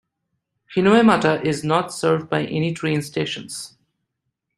Hinoemata is not served by any train stations.